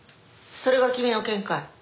それが君の見解？